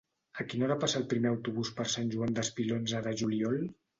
A quina hora passa el primer autobús per Sant Joan Despí l'onze de juliol?